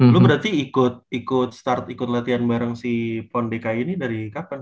lu berarti ikut start ikut latihan bareng si pon dki ini dari kapan